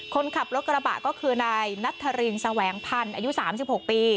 คนขับรถกระบะก็คือนายนัทธรินแสวงพันธ์อายุ๓๖ปี